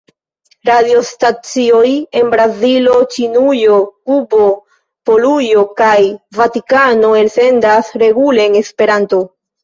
Radiostacioj en Brazilo, Ĉinujo, Kubo, Polujo kaj Vatikano elsendas regule en Esperanto.